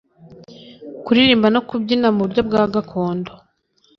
kuririmba no kubyina mu buryo bwa gakondo